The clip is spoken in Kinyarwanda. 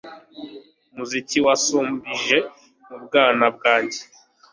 Umuziki wansubije mu bwana bwanjye